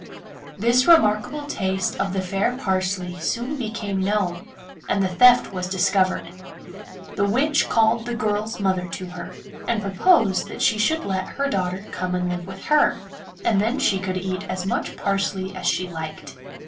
This remarkable taste of the fair Parsley soon became known, and the theft was discovered. The witch called the girl's mother to her, and proposed that she should let her daughter come and live with her, and then she could eat as much parsley as she liked.